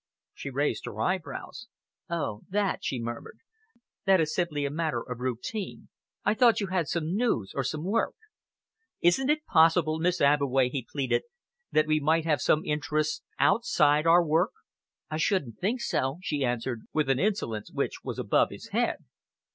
She raised her eyebrows. "Oh, that?" she murmured. "That is simply a matter of routine. I thought you had some news, or some work." "Isn't it possible, Miss Abbeway," he pleaded, "that we might have some interests outside our work?" "I shouldn't think so," she answered, with an insolence which was above his head.